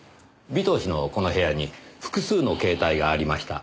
尾藤氏のこの部屋に複数の携帯がありました。